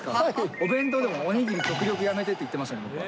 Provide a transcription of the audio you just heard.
お弁当でも、おにぎり極力やめてって言ってました。